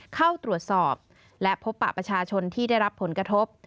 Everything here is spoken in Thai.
เข้าตรวจสอบและพบปะประชาชนที่ได้รับผลกระทบ